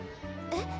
えっ？